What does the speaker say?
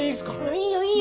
いいよいいよ！